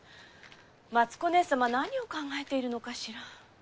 松子姉さま何を考えているのかしら？